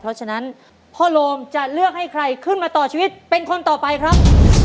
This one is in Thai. เพราะฉะนั้นพ่อโรมจะเลือกให้ใครขึ้นมาต่อชีวิตเป็นคนต่อไปครับ